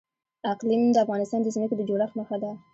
اقلیم د افغانستان د ځمکې د جوړښت نښه ده.